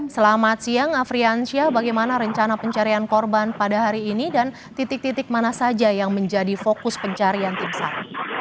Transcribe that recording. selamat siang afriansyah bagaimana rencana pencarian korban pada hari ini dan titik titik mana saja yang menjadi fokus pencarian tim sar